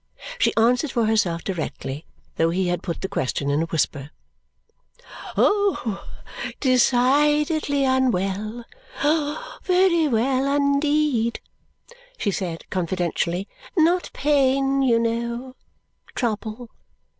She answered for herself directly, though he had put the question in a whisper. "Oh, decidedly unwell! Oh, very unwell indeed," she said confidentially. "Not pain, you know trouble.